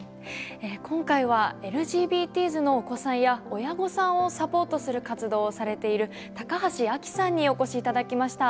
今回はＬＧＢＴｓのお子さんや親御さんをサポートする活動をされている高橋愛紀さんにお越し頂きました。